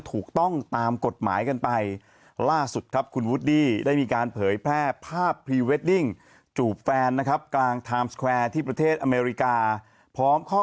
โหโหโหโหโหโหโหโหโหโหโหโหโหโหโหโหโห